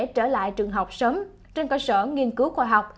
trở lại trường học sớm trên cơ sở nghiên cứu khoa học